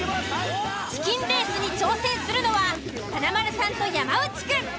チキンレースに挑戦するのは華丸さんと山内くん。